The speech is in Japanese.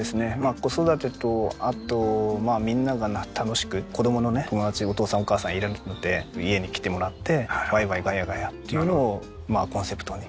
子育てとあとみんなが楽しく子供のね友達お父さんお母さんいるので家に来てもらってワイワイガヤガヤっていうのをコンセプトに。